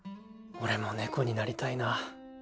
俺も猫になりたいな。